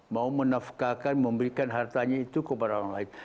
mau menafkakan memberikan hartanya itu kepada orang lain